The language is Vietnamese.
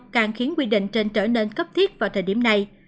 càng khiến quy định trên trở nên cấp thiết vào thời điểm này